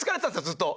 ずっと。